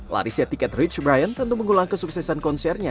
larisnya tiket rich brian tentu mengulang kesuksesan konsernya